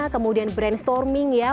kemudian brainstorming ya